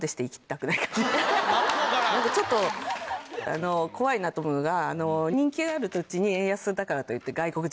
何かちょっと怖いなと思うのが。